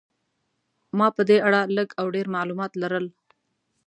ما په دې اړه لږ او ډېر معلومات لرل.